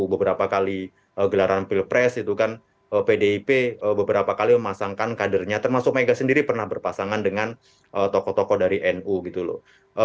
beberapa kali gelaran pilpres itu kan pdip beberapa kali memasangkan kadernya termasuk mega sendiri pernah berpasangan dengan tokoh tokoh dari nu gitu loh